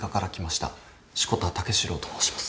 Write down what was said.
志子田武四郎と申します。